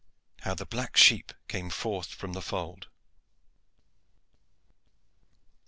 HOW THE BLACK SHEEP CAME FORTH FROM THE FOLD.